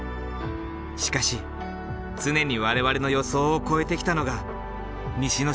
しかし常に我々の予想を超えてきたのが西之島だ。